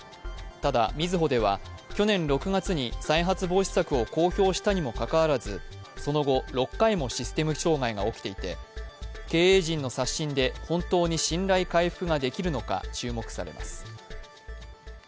ただ、みずほでは去年６月に再発防止策を公表したにもかかわらずその後、６回もシステム障害が起きていて経営陣の刷新で本当に信頼回復ができるのか注目されます。